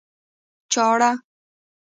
چاړه